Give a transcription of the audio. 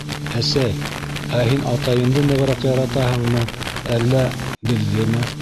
Әсәй, ә һин атайымды нығыраҡ яратаһыңмы, әллә... беҙҙеме?